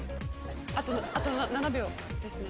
あと７秒ですね。